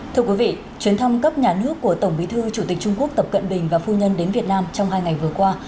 thưa quý vị chuyến thăm cấp nhà nước của tổng bí thư chủ tịch trung quốc tập cận bình và phu nhân đến việt nam trong hai ngày vừa qua